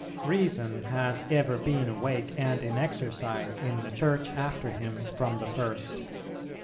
3. Reason has ever been awake and in exercise in the Church after Him from the first.